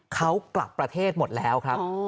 เขากลับประเทศหมดแล้วครับ